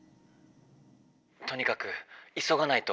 「とにかくいそがないと。